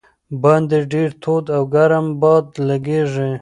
باندې ډېر تود او ګرم باد لګېږي.